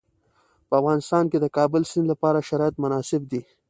په افغانستان کې د کابل سیند لپاره شرایط مناسب دي.